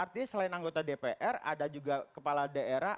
artinya selain anggota dpr ada juga kepala daerah